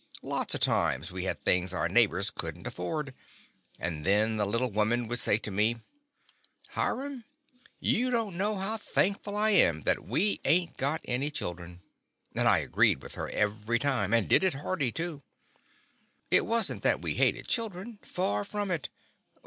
Lots of times we had things our neighbors could n't af ford, and then the little woman would say to me : "Hiram, you don't The Confessions of a Daddy know how thankful I am that we ain't got any children," and I agreed with her every time, and did it hearty, too. 'T was n't that we hated children. Far from it.